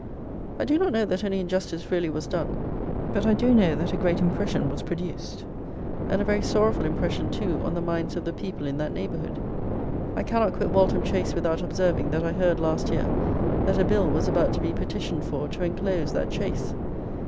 I do not know that any injustice really was done; but I do know that a great impression was produced, and a very sorrowful impression, too, on the minds of the people in that neighbourhood. I cannot quit Waltham Chase without observing, that I heard, last year, that a Bill was about to be petitioned for, to enclose that Chase!